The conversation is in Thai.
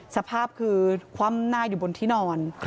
สภาพคือคว่ำหน้าอยู่บนที่นอน